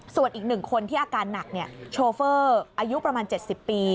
ส่วนอีก๑คนที่อาการหนักโชเฟอร์อายุประมาณ๗๐ปี